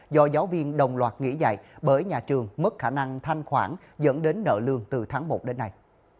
do giáo viên đồng loạt nghỉ dạy bởi nhà trường mất khả năng thanh khoản dẫn đến nợ lương từ tháng một đến nay